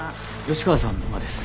吉川さんの馬です。